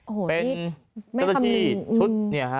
โอ้โหนี่ไม่ทำหนึ่ง